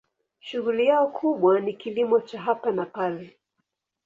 Shughuli yao kubwa ni kilimo cha hapa na pale.